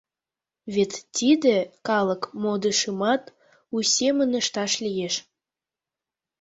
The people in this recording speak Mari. Вет тиде калык модышымат у семын ышташ лиеш.